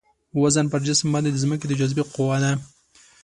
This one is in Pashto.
وزن پر جسم باندې د ځمکې د جاذبې قوه ده.